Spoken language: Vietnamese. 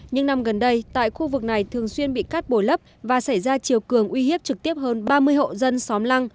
những năm gần đây tại khu vực này thường xuyên bị cắt bồi lấp và xảy ra chiều cường uy hiếp trực tiếp hơn ba mươi hộ dân xóm lăng